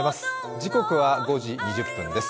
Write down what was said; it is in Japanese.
時刻は５時２０分です。